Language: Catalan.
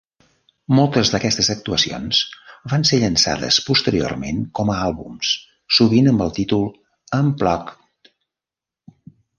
Moltes d'aquestes actuacions van ser llançades posteriorment com a àlbums, sovint amb el títol "Unplugged".